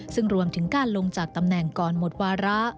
ซึ่งรวมถึงการลงจากตำแหน่งก่อนหมดวาระ